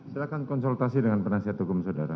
silahkan konsultasi dengan penasihat hukum saudara